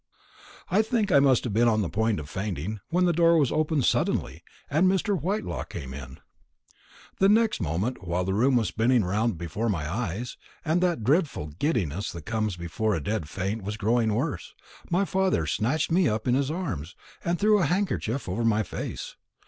"I think I must have been on the point of fainting, when the door was opened suddenly, and Mr. Whitelaw came in. In the next moment, while the room was spinning round before my eyes, and that dreadful giddiness that comes before a dead faint was growing worse, my father snatched me up in his arms, and threw a handkerchief over my face.